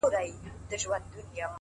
پاس توتكۍ راپسي مه ږغـوه _